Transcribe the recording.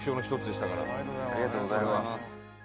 千賀：ありがとうございます。